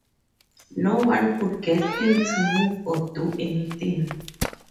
No one could get him to move or do anything